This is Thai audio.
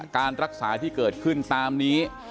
การรักษาที่เกิดขึ้นตามนี้